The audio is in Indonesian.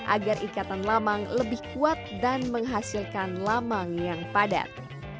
agar ikatan lamang lebih kuat dan menghasilkan lamang yang padat